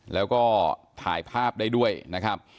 แล้วก็ถ่ายภาพได้ด้วยนะครับ